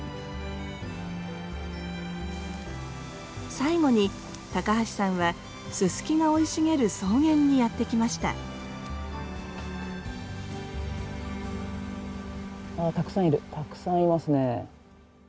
最後に高橋さんはススキが生い茂る草原にやって来ましたたくさんいますね。